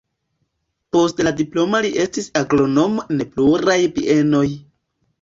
Post la diplomo li estis agronomo en pluraj bienoj.